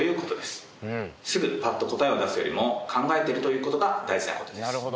すぐパッと答えを出すよりも考えているということが大事なことです。